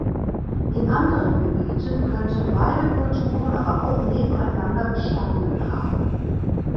In anderen Gebieten könnten beide Kulturen aber auch nebeneinander bestanden haben.